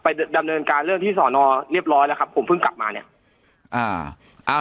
ไปดำเนินการเรื่องที่สวนอเรียบร้อยแล้วครับผมคำมา